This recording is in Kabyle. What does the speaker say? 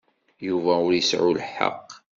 Yuba ur iseɛɛu lḥeqq.